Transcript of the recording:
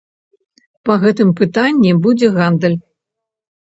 Па гэтым пытанні будзе гандаль.